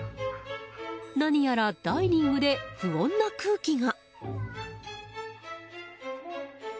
何やらダイニングで不穏な空気が。